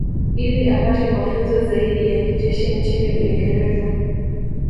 Ili apate mafunzo zaidi ya kijeshi nchini Uingereza